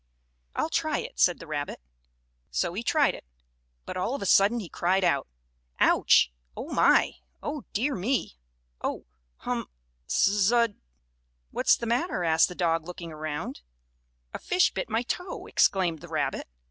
"I'll try it," said the rabbit. So he tried it, but, all of a sudden, he cried out: "Ouch! Oh, my! Oh, dear me! Oh, hum, suz dud!" "What's the matter," asked the dog, looking around. "A fish bit my toe," exclaimed the rabbit.